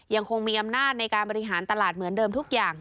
ยังคงมีอำนาจในการบริหารตลาดเหมือนเดิมทุกอย่าง